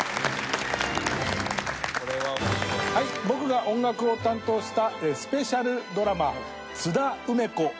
僕が音楽を担当したスペシャルドラマ『津田梅子